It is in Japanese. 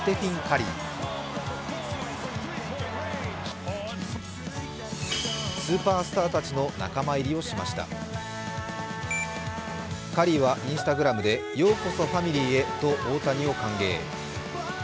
カリーはＩｎｓｔａｇｒａｍで「ようこそファミリーへ」と大谷を歓迎。